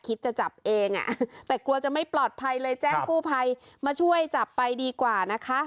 คิดจะจับเองแต่กลัวจะไม่ปลอดภัยเลยแจ้งกู้ภัยมาช่วยจับไปดีกว่านะคะ